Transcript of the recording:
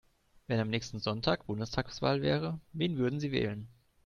Wenn am nächsten Sonntag Bundestagswahl wäre, wen würden Sie wählen?